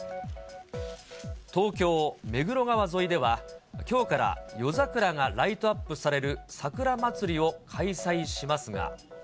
東京・目黒川沿いでは、きょうから夜桜がライトアップされる桜まつりを開催しますが。